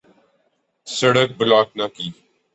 سڑک بلاک نہ کی۔